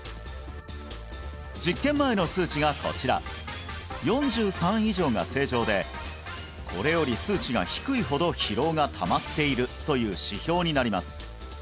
実験前の数値がこちら４３以上が正常でこれより数値が低いほど疲労がたまっているという指標になります